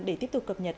để tiếp tục cập nhật